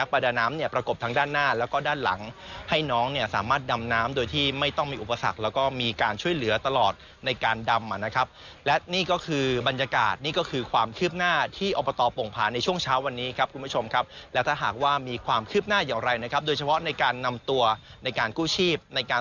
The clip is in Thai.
ประดาน้ำเนี่ยประกบทางด้านหน้าแล้วก็ด้านหลังให้น้องเนี่ยสามารถดำน้ำโดยที่ไม่ต้องมีอุปสรรคแล้วก็มีการช่วยเหลือตลอดในการดำอ่ะนะครับและนี่ก็คือบรรยากาศนี่ก็คือความคืบหน้าที่อบตโป่งผาในช่วงเช้าวันนี้ครับคุณผู้ชมครับและถ้าหากว่ามีความคืบหน้าอย่างไรนะครับโดยเฉพาะในการนำตัวในการกู้ชีพในการ